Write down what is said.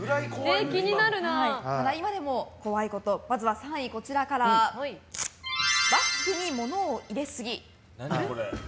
今でも怖いこと、まずは３位バッグに物を入れすぎ。